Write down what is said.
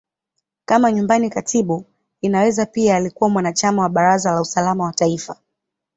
Kama Nyumbani Katibu, Inaweza pia alikuwa mwanachama wa Baraza la Usalama wa Taifa.